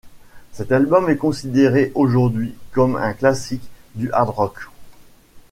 Cet album est considéré aujourd'hui comme un classique du hard rock.